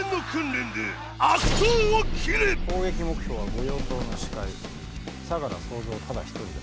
攻撃目標は御用盗の首魁相楽総三ただ一人だ。